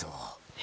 え？